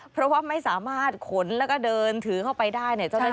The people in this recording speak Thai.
เพราะว่าไม่สามารถขนแล้วก็เดินถือเข้าไปได้เนี่ย